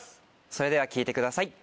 それでは聴いてください